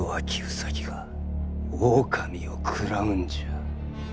兎が狼を食らうんじゃ。